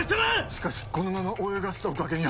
しかしこのまま泳がせておくわけには。